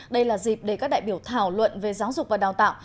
đây là dịp để các đại biểu thảo luận về giáo dục và đào tạo